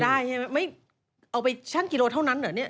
ได้เอาไปชั่งกิโลเท่านั้นเหรอนี่